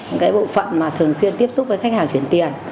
những cái bộ phận mà thường xuyên tiếp xúc với khách hàng chuyển tiền